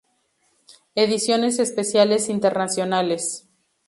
Ediciones Especiales Internacionales